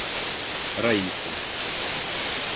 Раиса